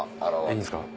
いいんですか？